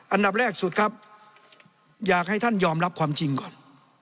อันดับแรกสุดครับอยากให้ท่านยอมรับความจริงก่อน